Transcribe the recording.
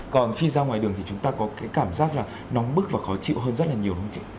còn khi ra ngoài đường thì chúng ta có cái cảm giác là nóng bức và khó chịu hơn rất là nhiều đúng không